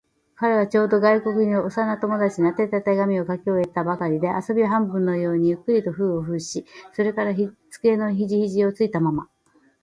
彼はちょうど、外国にいる幼な友達に宛てた手紙を書き終えたばかりで、遊び半分のようにゆっくりと封筒の封をし、それから机に肘ひじをついたまま、